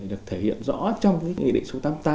được thể hiện rõ trong cái nghị định số tám mươi tám